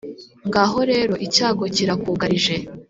ngaho rero icyago kirakugarije,